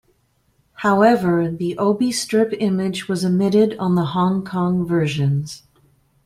However, the obi strip image was omitted on the Hong Kong versions.